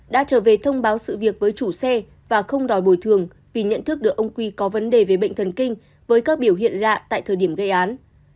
đã trở về thông báo sự việc với chủ xe và không đòi bồi thường vì nhận thức được ông quy có vấn đề về bệnh thần kinh với các biểu hiện lạ tại thời điểm gây án